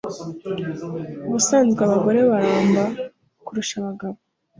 Ubusanzwe abagore baramba kurusha abagabo